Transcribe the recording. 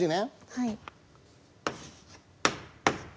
はい。